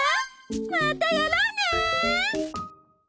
またやろうね！